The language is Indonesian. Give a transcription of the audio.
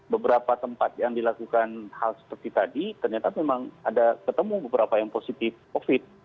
beberapa tempat yang dilakukan hal seperti tadi ternyata memang ada ketemu beberapa yang positif covid